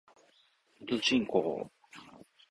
のどちんこぉ